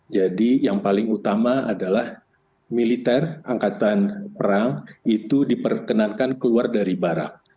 jadi yang paling utama adalah militer angkatan perang itu diperkenankan keluar dari barang